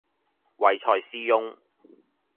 唯才是用